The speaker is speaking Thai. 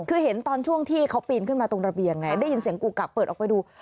คือเห็นตอนช่วงที่เขาปีนขึ้นมาตรงระเบียงไงได้ยินเสียงกุกกักเปิดออกไปดู